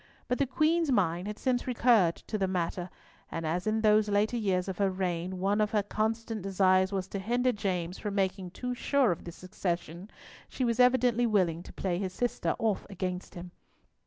But the Queen's mind had since recurred to the matter, and as in these later years of her reign one of her constant desires was to hinder James from making too sure of the succession, she was evidently willing to play his sister off against him.